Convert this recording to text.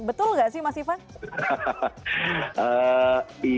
betul nggak sih mas ivan